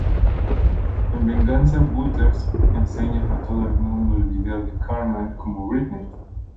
En venganza, Butters enseña a todo el mundo el video de Cartman como Britney.